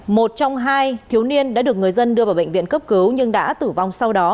một trong hai thiếu niên đã được người dân đưa vào bệnh viện cấp cứu nhưng đã tử vong sau đó